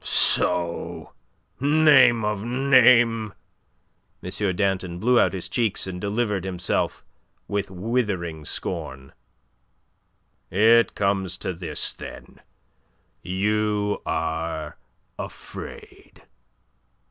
"So! Name of a name!" M. Danton blew out his cheeks and delivered himself with withering scorn. "It comes to this, then: you are afraid!"